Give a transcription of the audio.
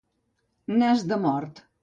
Nas de mort.